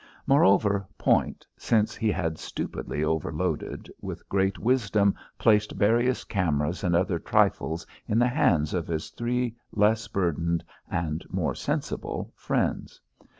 Moreover, Point, since he had stupidly overloaded, with great wisdom placed various cameras and other trifles in the hands of his three less burdened and more sensible friends.